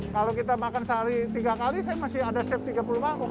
kalau kita makan sehari tiga kali saya masih ada set tiga puluh mangkuk